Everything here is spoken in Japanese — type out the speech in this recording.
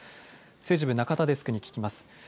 政治部、中田デスクに聞きます。